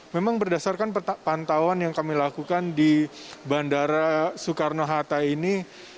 memang berdasarkan pantauan yang kami lakukan di bandara soekarno hatta ini